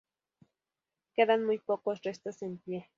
Quedan muy pocos restos en pie.